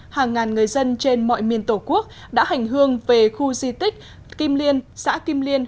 hàng ngàn người dân trên mọi miền tổ quốc đã hành hương về khu di tích kim liên xã kim liên